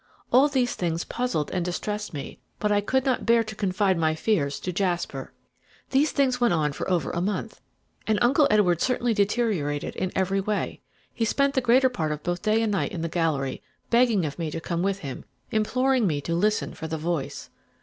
All these things puzzled and distressed me, but I could not bear to confide my fears to Jasper. "These things went on for over a month, and Uncle Edward certainly deteriorated in every way. He spent the greater part of both day and night in the gallery, begging of me to come with him, imploring me to listen for the voice.